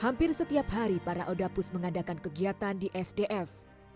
hampir setiap hari para odapus mengadakan kegiatan di sdf